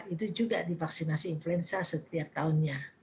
itu juga divaksinasi influenza setiap tahunnya